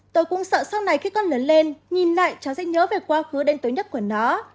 tôi cũng sợ sau này khi con lớn lên nhìn lại cháu sẽ nhớ về quá khứ đêm tối nhất của nó